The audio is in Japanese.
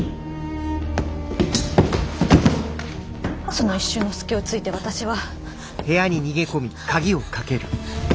その一瞬の隙をついて私は。